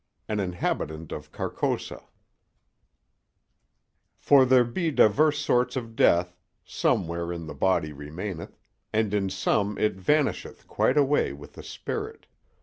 AN INHABITANT OF CARCOSA For there be divers sorts of death—some wherein the body remaineth; and in some it vanisheth quite away with the spirit.